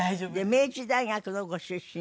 明治大学のご出身です。